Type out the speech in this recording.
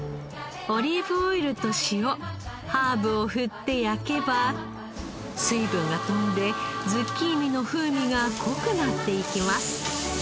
オリーブオイルと塩ハーブをふって焼けば水分が飛んでズッキーニの風味が濃くなっていきます。